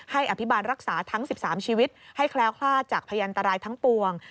อภิบาลรักษาทั้ง๑๓ชีวิตให้แคล้วคลาดจากพยันตรายทั้งปวง